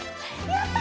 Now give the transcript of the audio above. やった！